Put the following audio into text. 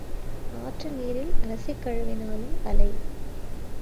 ஆற்று நீரில் அலசிக் கழுவினாலும் அலை.